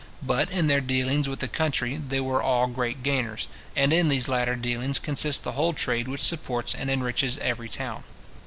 But in their dealings with the country they were all great gainers; and in these latter dealings consist the whole trade which supports and enriches every town.